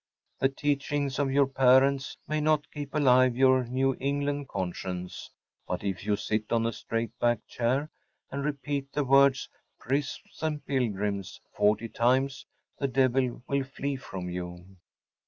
The teachings of your parents may not keep alive your New England conscience; but if you sit on a straight back chair and repeat the words “prisms and pilgrims‚ÄĚ forty times the devil will flee from you.